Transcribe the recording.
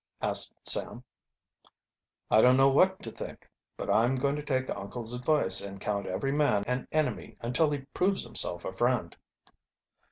asked Sam. "I don't know what to think. But I'm going to take uncle's advice and count every man an enemy until he proves himself a friend."